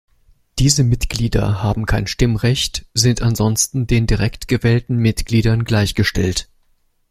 Diese Mitglieder haben kein Stimmrecht, sind ansonsten den direkt gewählten Mitgliedern gleich gestellt.